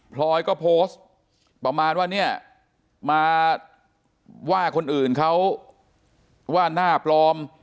พลอยก็โพสต์ประมาณว่าเนี่ยมาว่าคนอื่นเขาว่าหน้าปลอม